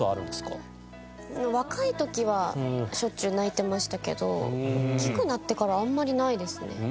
若い時はしょっちゅう泣いてましたけど大きくなってからあんまりないですね。